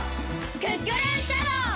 クックルンシャドー！